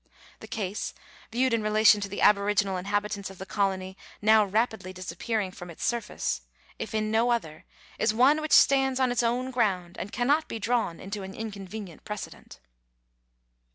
The case, viewed in rela tion to the aboriginal inhabitants of the colony now rapidly disappearing from its surface, if in no other, is one which stands on its own ground, and cannot be drawn into an inconvenient precedent.